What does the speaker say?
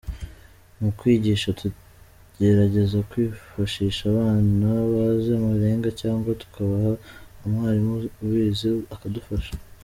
Mu kwigisha tugerageza kwifashisha abna bazi amarenga cyangwa tukabaza umwarimu ubizi akadufasha”.